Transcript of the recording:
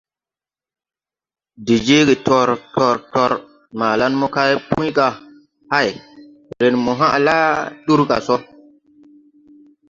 De jeege tor! Tor! Tor! Malan mokay Puy ga: « Hay! Ren mo hãʼ la dur ga so!